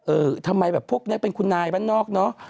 เอ่อทำไมแบบพวกนี้คุณทางคุณนายตะนอกเนอะ